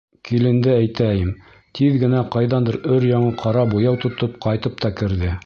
Киленде әйтәйем, тиҙ генә ҡайҙандыр өр-яңы ҡара буяу тотоп ҡайтып та керҙе.